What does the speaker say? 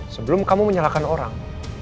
sebelum kamu menyalahkan orang